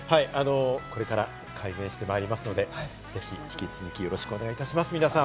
これから改善してまいりますので、ぜひ引き続きよろしくお願いいたします、皆さん。